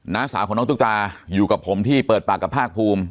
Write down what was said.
้าสาวของน้องตุ๊กตาอยู่กับผมที่เปิดปากกับภาคภูมิ